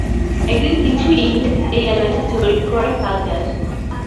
একদিন কিছু ইংরেজ এই এলাকা জরিপ করার কাজে আসে।